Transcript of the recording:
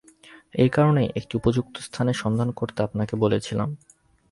এই কারণেই একটি উপযুক্ত স্থানের সন্ধান করতে আপনাকে বলেছিলাম।